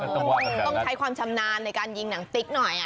ต้องว่าแบบนั้นต้องใช้ความชำนาญในการยิงหนังสติ๊กหน่อย